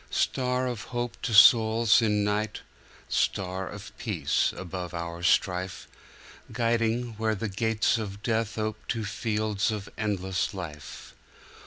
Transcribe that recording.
Star of hope to souls in night, Star of peace above our strife, Guiding, where the gates of death Ope to fields of endless life.